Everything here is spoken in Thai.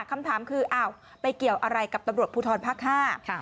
คำถามคืออ้าวไปเกี่ยวอะไรกับตำรวจภูทรภาคห้า